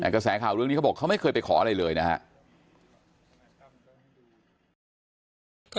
กระแสข่าวเรื่องนี้เขาบอกเขาไม่เคยไปขออะไรเลยนะครับ